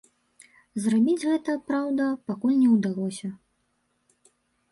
Зрабіць гэта, праўда, пакуль не ўдалося.